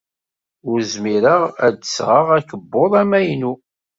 Ur zmireɣ ad d-sɣeɣ akebbuḍ amaynu.